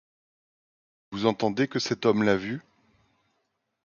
Vous entendez que cet homme l'a vu.